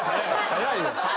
早いよ